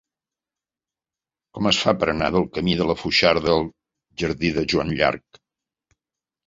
Com es fa per anar del camí de la Foixarda al jardí de Joan Llarch?